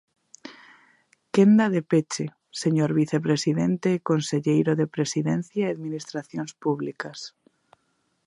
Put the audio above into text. Quenda de peche, señor vicepresidente e conselleiro de Presidencia e Administracións Públicas.